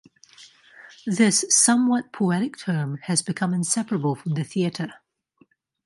This somewhat poetic term has become inseparable from the theatre.